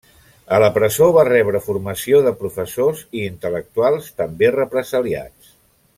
A la presó va rebre formació de professors i intel·lectuals també represaliats.